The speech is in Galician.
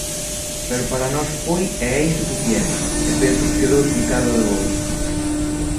Pero para nós foi e é insuficiente, e penso que quedou explicado dabondo.